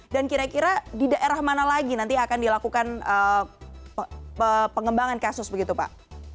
dan kira kira di daerah mana lagi nanti akan dilakukan pengembangan kasus begitu pak